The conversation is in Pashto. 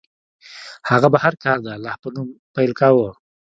هغه به هر کار د الله په نوم پیل کاوه.